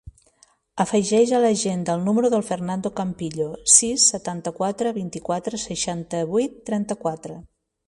Afegeix a l'agenda el número del Fernando Campillo: sis, setanta-quatre, vint-i-quatre, seixanta-vuit, trenta-quatre.